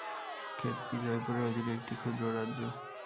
খেতড়ি জয়পুরের অধীনে একটি ক্ষুদ্র রাজ্য।